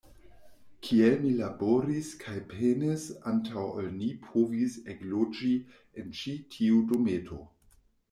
Kiel mi laboris kaj penis antaŭ ol ni povis ekloĝi en ĉi tiu dometo!